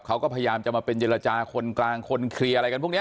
เขาก็พยายามจะมาเป็นเจรจาคนกลางคนเคลียร์อะไรกันพวกนี้